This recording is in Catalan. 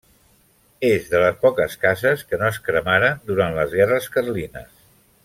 És de les poques cases que no es cremaren durant les guerres carlines.